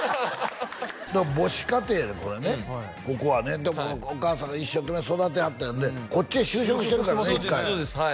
母子家庭でこれはねここはねでもお母さんが一生懸命育てはったんやってこっちへ就職してるからね